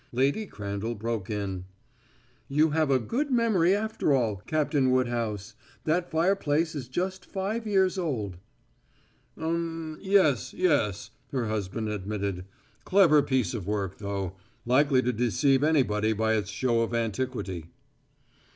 Lady Crandall broke in: "You have a good memory, after all, Captain Woodhouse. That fireplace is just five years old." "Um yes, yes," her husband admitted. "Clever piece of work, though. Likely to deceive anybody by its show of antiquity."